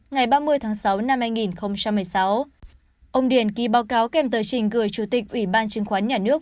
ngày ba mươi tháng sáu năm hai nghìn một mươi sáu ông điền ký báo cáo kèm tờ trình gửi chủ tịch ủy ban chứng khoán nhà nước